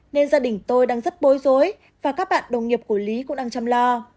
nên gia đình tôi đang rất bối rối và các bạn đồng nghiệp của lý cũng đang chăm lo